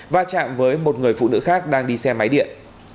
và chạm với một người phụ nữ khác đang đi xe máy điện